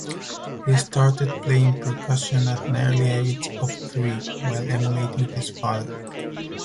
He started playing percussion at an early age of three while emulating his father.